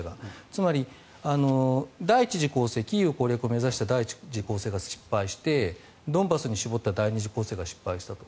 つまり、第１次攻勢キーウ攻略を目指した第１次攻勢が失敗してドンバスに絞った第２次攻勢が失敗して。